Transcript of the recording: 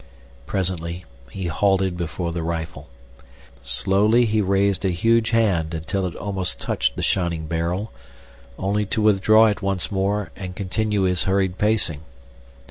Presently he halted before the rifle. Slowly he raised a huge hand until it almost touched the shining barrel, only to withdraw it once more and continue his hurried pacing.